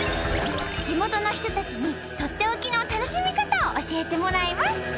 地元の人たちにとっておきの楽しみかたを教えてもらいます。